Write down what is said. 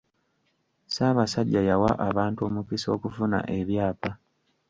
Ssaabasajja yawa abantu omukisa okufuna ebyapa.